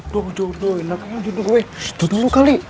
duduk duduk duduk